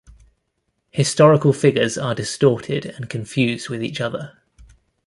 Historical figures are distorted and confused with each other.